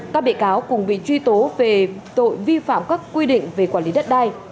các bị cáo cùng bị truy tố về tội vi phạm các quy định về quản lý đất đai